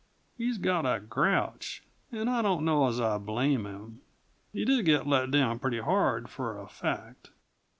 He's got a grouch and I don't know as I blame him; he did get let down pretty hard, for a fact."